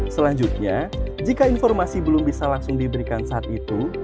selanjutnya jika informasi belum bisa langsung diberikan saat itu